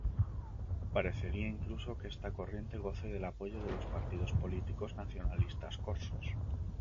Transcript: Parecería incluso que esta corriente goce del apoyo de los partidos políticos nacionalistas corsos.